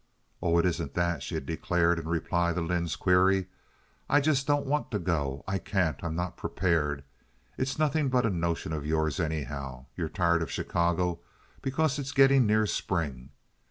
"Oh, it isn't that," she had declared, in reply to Lynde's query. "I just don't want to go. I can't. I'm not prepared. It's nothing but a notion of yours, anyhow. You're tired of Chicago because it's getting near spring.